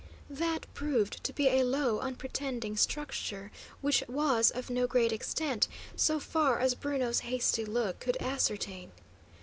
That proved to be a low, unpretending structure which was of no great extent, so far as Bruno's hasty look could ascertain.